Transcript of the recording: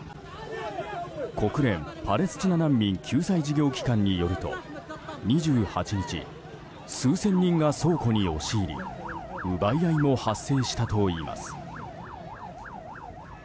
国連パレスチナ難民救済事業機関によると２８日、数千人が倉庫に押し入り奪い合いも発生したといいます。